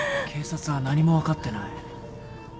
警察は何も分かってない。